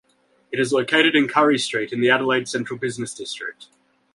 It is located in Currie Street in the Adelaide central business district.